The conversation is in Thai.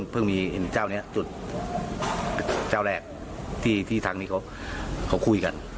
เพิ่งเห็นเจ้านี้จุดเจ้าแหลกที่ทางนี้ขอคุยกัน